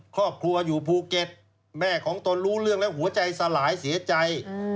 ครอบครัวอยู่ภูเก็ตแม่ของตนรู้เรื่องแล้วหัวใจสลายเสียใจ